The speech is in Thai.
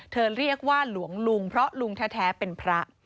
เรียกว่าหลวงลุงเพราะลุงแท้เป็นพระ